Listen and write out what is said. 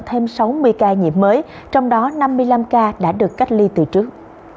thêm sáu mươi ca nhiễm mới trong đó năm mươi năm ca đã được cách ly từ trước